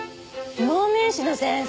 能面師の先生。